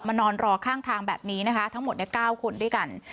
มานอนรอข้างทางแบบนี้นะคะทั้งหมดเนี้ยเก้าคนด้วยกัน